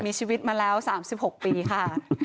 มีชีวิตมาแล้ว๓๖ปีค่ะ